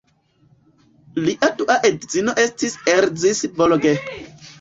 Lia dua edzino estis Erzsi Balogh.